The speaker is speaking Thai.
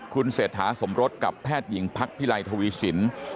คุณเศรษฐาสมรสกับแพทย์หญิงพักพิไลทวีสิน